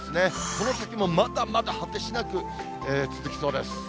この先もまだまだ果てしなく続きそうです。